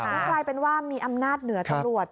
แล้วกลายเป็นว่ามีอำนาจเหนือตำรวจ